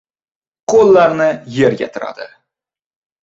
Qo‘llarini yerga tiradi.